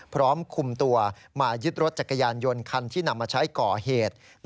พร้อมคุมตัวมายึดรถจักรยานยนต์คันที่นำมาใช้ก่อเหตุ